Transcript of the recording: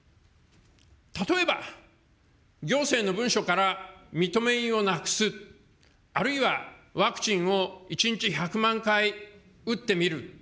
例えば、行政の文書から認め印をなくす、あるいはワクチンを１日１００万回打ってみる。